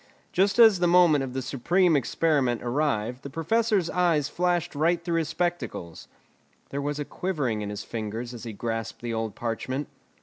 Just as the moment of the supreme experiment arrived the Professor's eyes flashed right through his spectacles. There was a quivering in his fingers as he grasped the old parchment.